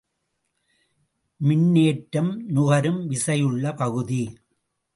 மின்னேற்றம் நுகரும் விசையுள்ள பகுதி.